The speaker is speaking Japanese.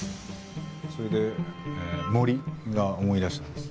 それで森が思い出したんです。